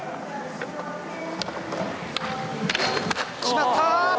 決まった！